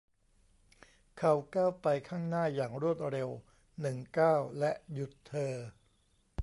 เขาก้าวไปข้างหน้าอย่างรวดเร็วหนึ่งก้าวและหยุดเธอ